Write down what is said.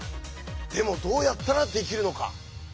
でもどうやったらできるのか。